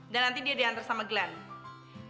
dan nanti dia diantar sama glenn